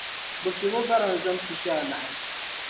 Bɛ fiɛbi o barazim pishi anahi.